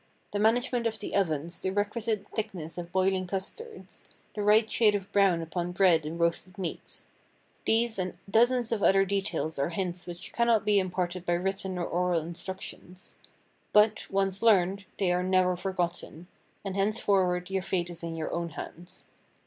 The management of the ovens, the requisite thickness of boiling custards, the right shade of brown upon bread and roasted meats—these and dozens of other details are hints which cannot be imparted by written or oral instructions. But, once learned, they are never forgotten, and henceforward your fate is in your own hands.